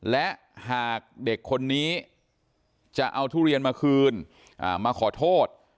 และหากเด็กคนนี้จะเอาทุเรียนมาคืนมาขอโทษ